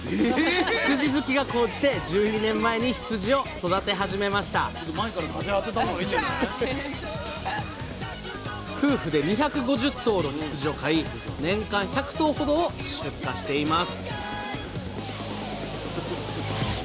羊好きが高じて１２年前に羊を育て始めました夫婦で２５０頭の羊を飼い年間１００頭ほどを出荷しています